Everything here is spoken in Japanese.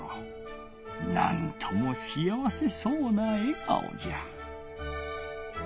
なんともしあわせそうなえがおじゃ。